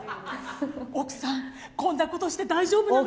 奥さんこんなことして、大丈夫なの？